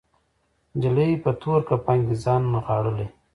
نجلۍ په تور کفن کې ځان نغاړلی